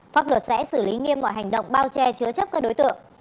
pháp luật sẽ xử lý nghiêm mọi hành động bao che chứa chấp các đối tượng